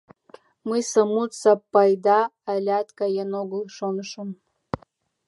Мый Самут Сапайда алят каен огыл шонышым.